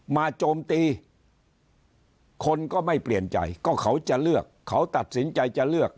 โจมตีคนก็ไม่เปลี่ยนใจก็เขาจะเลือกเขาตัดสินใจจะเลือก